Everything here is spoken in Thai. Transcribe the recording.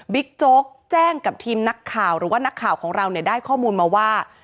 โจ๊กแจ้งกับทีมนักข่าวหรือว่านักข่าวของเราเนี่ยได้ข้อมูลมาว่า